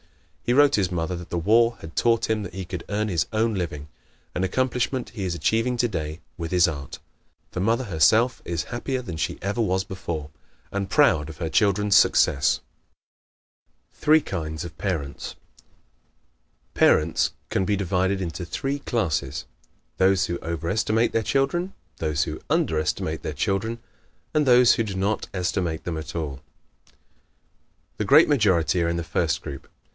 He wrote his mother that the war had taught him he could earn his own living an accomplishment he is achieving today with his art. The mother herself is happier than she ever was before, and proud of her children's success. Three Kinds of Parents ¶ Parents can be divided into three classes those who over estimate their children, those who under estimate their children, and those who do not estimate them at all. The great majority are in the first group.